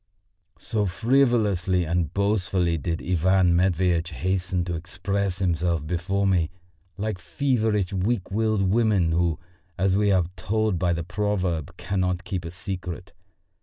So frivolously and boastfully did Ivan Matveitch hasten to express himself before me, like feverish weak willed women who, as we are told by the proverb, cannot keep a secret.